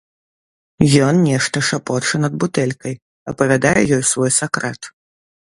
Ён нешта шапоча над бутэлькай, апавядае ёй свой сакрэт.